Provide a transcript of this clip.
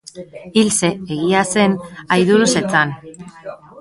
Ilse, egia zen, aiduru zetzan.